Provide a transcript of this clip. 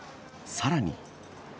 さらに。